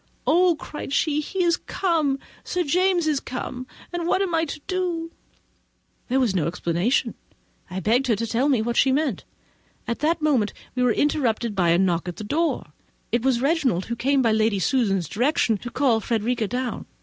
"Oh!" said she, "he is come—Sir James is come, and what shall I do?" This was no explanation; I begged her to tell me what she meant. At that moment we were interrupted by a knock at the door: it was Reginald, who came, by Lady Susan's direction, to call Frederica down.